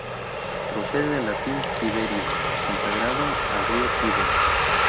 Procede del latín "tiberius", "consagrado al río Tíber".